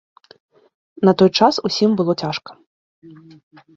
На той час усім было цяжка.